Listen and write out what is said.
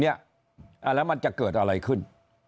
แล้วมันจะเกิดอะไรขึ้น